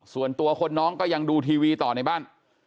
ส่วนตัวคนน้องก็ยังดูทีวีต่อในบ้าน